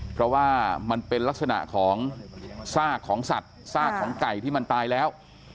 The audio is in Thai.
เพราะว่ามันเป็นลักษณะของซากของสัตว์ซากของไก่ที่มันตายแล้ว